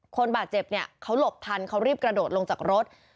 คนบาดเจ็บเนี่ยเขาหลบทันเขารีบกระโดดลงจากรถ